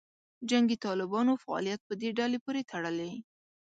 جنګي طالبانو فعالیت په دې ډلې پورې تړلې.